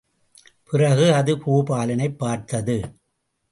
பிறகு அது பூபாலனைப் பார்த்தது.